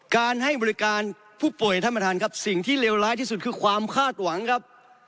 การให้บริการผู้ป่วยท่านประธานครับสิ่งที่เลวร้ายที่สุดคือความคาดหวังครับ